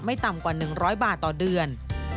ต่ำกว่า๑๐๐บาทต่อเดือน